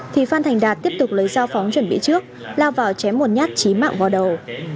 thì phan thành đạt tiếp tục lấy dao phóng chuẩn bị trước lao vào chém một nhát chí mạng vào đầu